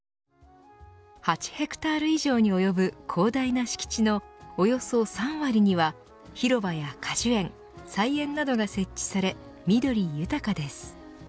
８ヘクタール以上に及ぶ広大な敷地のおよそ３割には広場や果樹園菜園などが設置され緑豊かです。